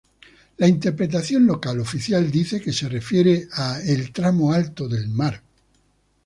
La interpretación local oficial dice que se refiere a ‘el tramo alto del mar’.